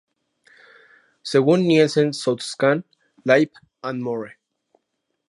Según Nielsen SoundScan, "Live and More!